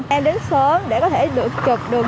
em đến sớm để có thể được chụp đường